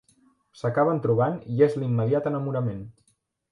S'acaben trobant i és l'immediat enamorament.